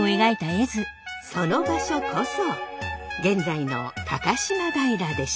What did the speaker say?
その場所こそ現在の高島平でした。